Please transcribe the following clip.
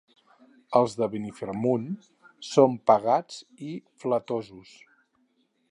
Els de Benimarfull són pagats i flatosos.